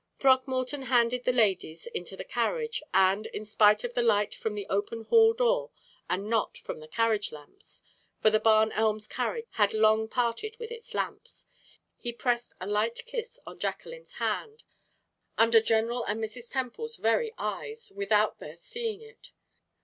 Throckmorton handed the ladies into the carriage; and, in spite of the light from the open hall door, and not from the carriage lamps for the Barn Elms carriage had long parted with its lamps he pressed a light kiss on Jacqueline's hand, under General and Mrs. Temple's very eyes, without their seeing it.